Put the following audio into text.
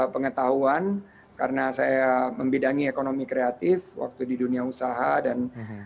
pengetahuan karena saya membidangi ekonomi kreatif waktu di dunia usaha dan